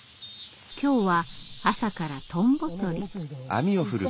今日は朝からトンボとり。